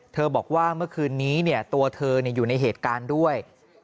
บอกว่าเมื่อคืนนี้ตัวเธออยู่ในเหตุการณ์ด้วย